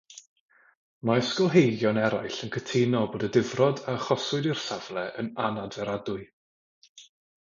Mae ysgolheigion eraill yn cytuno bod y difrod a achoswyd i'r safle yn anadferadwy.